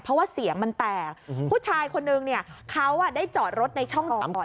เพราะว่าเสียงมันแตกผู้ชายคนนึงเนี่ยเขาได้จอดรถในช่องจอด